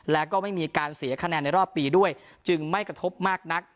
แล้วก็ไม่มีการเสียคะแนนในรอบปีด้วยจึงไม่กระทบมากนัก